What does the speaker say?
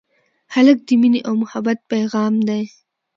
هلک د مینې او محبت پېغام دی.